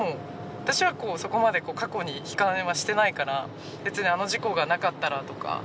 私はこうそこまで過去に悲観はしてないから別にあの事故がなかったらとか。